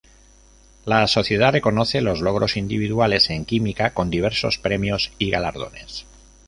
La sociedad reconoce los logros individuales en química con diversos premios y galardones.